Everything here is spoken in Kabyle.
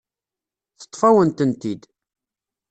Teṭṭef-awen-tent-id.